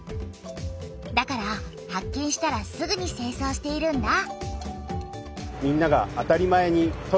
だから発見したらすぐにせいそうしているんだ。